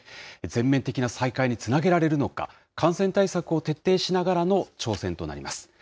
全面的な再開につなげられるのか、感染対策を徹底しながらの挑戦となります。